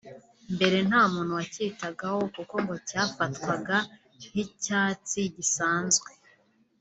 mbere nta muntu wakitagaho kuko ngo cyafatwaga nk’icyatsi gisanzwe